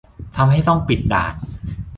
ทำให้ต้องปิดด่าน